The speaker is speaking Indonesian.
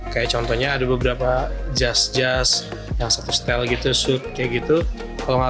kayak contohnya ada beberapa jazz jazz yang satu style gitu suit kayak gitu kalau nggak